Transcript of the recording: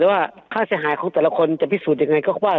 ว่าค่าเสียหายของแต่ละคนจะพิสูจน์ยังไงก็ว่า